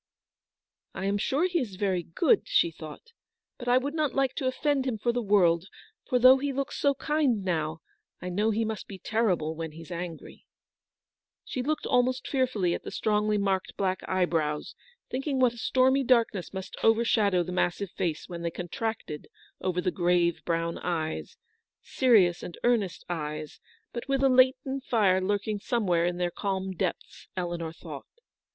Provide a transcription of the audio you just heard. " I am sure he is very good," she thought ; "but I would not like to offend him for the GILBERT MOXCKTO". 243 world, for though he looks so kind now, I know She looked almost fearfully at the strongly marked black eyebrows, thinking what a stormy darkness must overshadow the massive face when they contracted over the grave, brown eyes — serious and earnest eyes, but with a latent fire lurking somewhere in their calm depths, Eleanor thought.